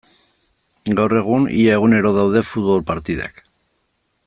Gaur egun ia egunero daude futbol partidak.